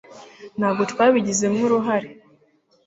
ntabwo twabigizemo uruhare